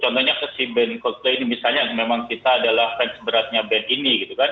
contohnya si band coldplay ini misalnya memang kita adalah fans beratnya band ini